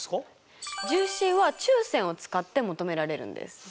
重心は中線を使って求められるんです。